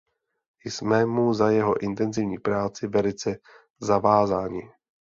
Jsme mu za jeho intenzivní práci velice zavázáni.